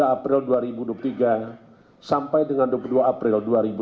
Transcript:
dua puluh april dua ribu dua puluh tiga sampai dengan dua puluh dua april dua ribu dua puluh